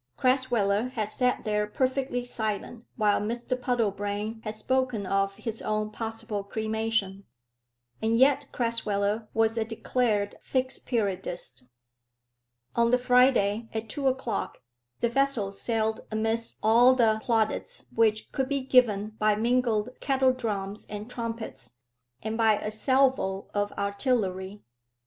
Crasweller had sat there perfectly silent while Mr Puddlebrane had spoken of his own possible cremation. And yet Crasweller was a declared Fixed Periodist. On the Friday, at two o'clock, the vessel sailed amidst all the plaudits which could be given by mingled kettle drums and trumpets, and by a salvo of artillery.